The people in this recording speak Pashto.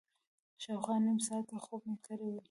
شاوخوا نیم ساعت خوب مې کړی و.